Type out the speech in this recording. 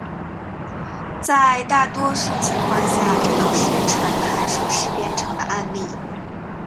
在大多数情况下，这都是纯函数式编程的案例。